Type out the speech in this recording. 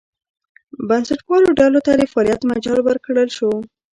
بنسټپالو ډلو ته د فعالیت مجال ورکړل شو.